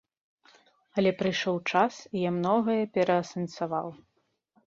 Але прыйшоў час, і я многае пераасэнсаваў.